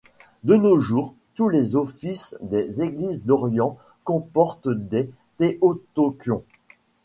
De nos jours, tous les offices des Églises d'Orient comportent des theotokions.